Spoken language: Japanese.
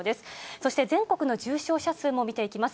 そして全国の重症者数も見ていきます。